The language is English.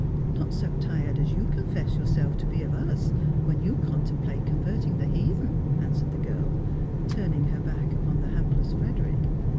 " Not so tired as you confess yourself to be of us when ;you contemplate convertmg the heathen," answered the girl, turning her back upon the hapless Frederick.